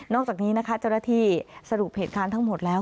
นอกจากนี้นะคะจรฐีสรุปเหตุการณ์ทั้งหมดแล้ว